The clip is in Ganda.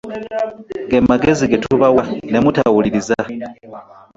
Ge magezi ge tubawa ne mutawuliriza.